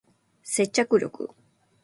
接着力